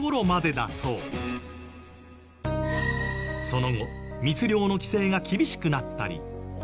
その後密漁の規制が厳しくなったり。